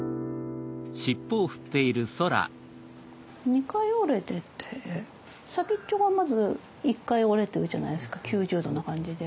２回折れてて先っちょがまず一回折れてるじゃないですか９０度な感じで。